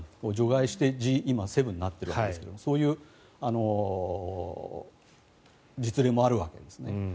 除外して今、Ｇ７になってるわけですがそういう実例もあるわけですね。